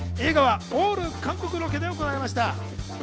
映画はオール韓国ロケで行われました。